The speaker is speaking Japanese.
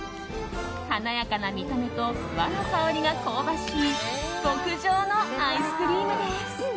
華やかな見た目と和の香りが香ばしい極上のアイスクリームです。